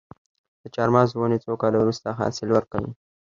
د چهارمغز ونې څو کاله وروسته حاصل ورکوي؟